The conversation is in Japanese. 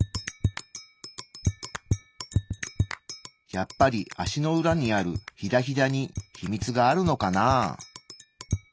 やっぱり足の裏にあるヒダヒダに秘密があるのかな？